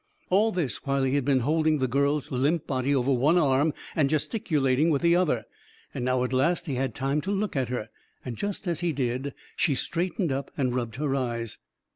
All this while he had been holding the girl's limp body over one arm, and gesticulating with the other ; and now, at last, he had time to look at her ; and just as he did, she straightened up and rubbed her eyes.